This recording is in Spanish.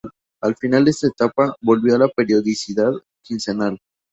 Al final de esta etapa, volvió a la periodicidad quincenal.